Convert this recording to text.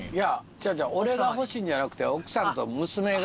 ちゃうちゃう俺が欲しいんじゃなくて奥さんと娘が。